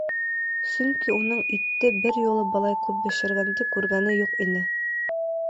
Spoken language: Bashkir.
Сөнки уның итте бер юлы былай күп бешергәнде күргәне юҡ ине.